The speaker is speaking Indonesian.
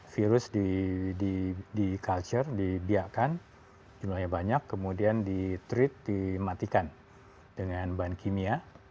virus di culture dibiarkan jumlahnya banyak kemudian di treat dimatikan dengan bahan kimia